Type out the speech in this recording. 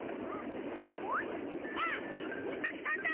あっウサギさんだ！